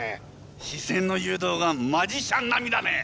視線の誘導がマジシャン並みだね。